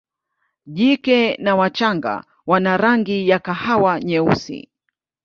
Jike na wachanga wana rangi ya kahawa nyeusi.